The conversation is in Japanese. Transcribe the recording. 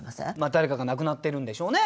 誰かが亡くなってるんでしょうね。